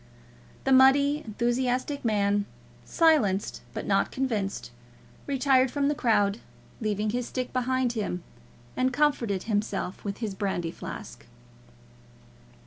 The muddy enthusiastic man, silenced but not convinced, retired from the crowd, leaving his stick behind him, and comforted himself with his brandy flask.